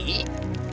dan ratu peri sendiri